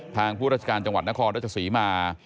ผู้ราชการจังหวัดนครราชศรีมา